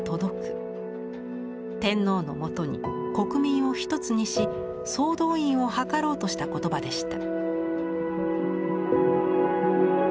天皇のもとに国民を一つにし総動員を図ろうとした言葉でした。